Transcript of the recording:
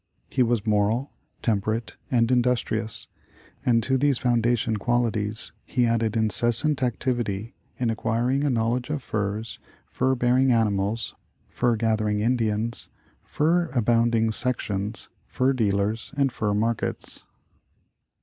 He was moral, temperate and industrious, and to these foundation qualities, lie added incessant ac tivity in acquiring a knowledge of furs, fur bearing animals, fur gathering Indians, fur abounding sections, fur dealers and fur markets.